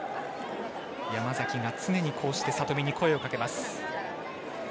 山崎が常に、里見に声をかけます。